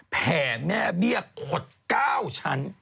แผ่แม่เบี้ยขด๙ชั้น